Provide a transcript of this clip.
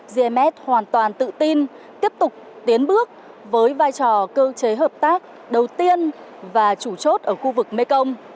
gms hoàn toàn tự tin tiếp tục tiến bước với vai trò cơ chế hợp tác đầu tiên và chủ chốt ở khu vực mekong